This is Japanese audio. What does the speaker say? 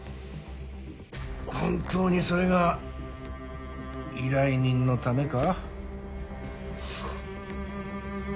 本当にそれが依頼人のためか？